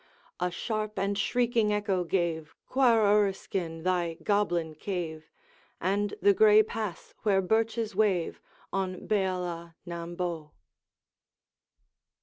A sharp and shrieking echo gave, Coir Uriskin, thy goblin cave! And the gray pass where birches wave On Beala nam bo.